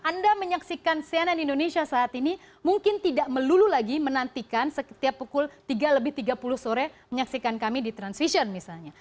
anda menyaksikan cnn indonesia saat ini mungkin tidak melulu lagi menantikan setiap pukul tiga lebih tiga puluh sore menyaksikan kami di transvision misalnya